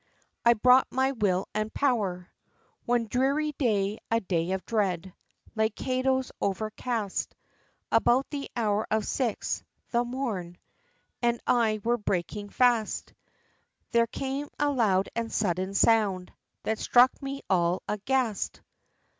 I brought my "will and pow'r." III. One dreary day a day of dread, Like Cato's, over cast About the hour of six, (the morn And I were breaking fast,) There came a loud and sudden sound, That struck me all aghast!